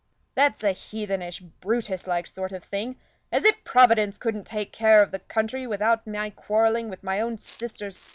That's a heathenish, Brutus like sort of thing, as if Providence couldn't take care of the country without my quarrelling with my own sister's son!"